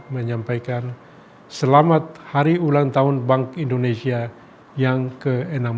menyampaikan selamat hari ulang tahun bank indonesia yang ke enam belas